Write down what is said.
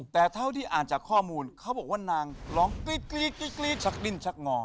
แต่เท่าที่อ่านจากข้อมูลเขาบอกว่านางร้องกรี๊ดชักดิ้นชักงอ